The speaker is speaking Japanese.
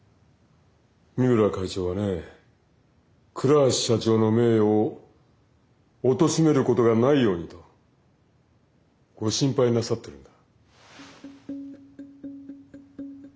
三村会長はね倉橋社長の名誉をおとしめることがないようにとご心配なさってるんだ。